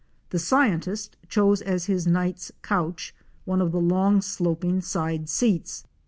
The scientist chose as his night's couch one of the long sloping side seats.